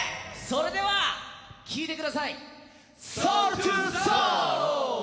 ＯＫ、それでは聴いてください。